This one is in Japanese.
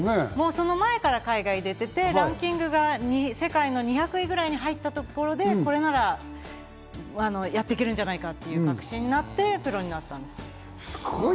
その前から出てて、ランキングが世界の２００ぐらいに入ったところでこれならやっていけるんじゃないかって確信になって、プロになったんです。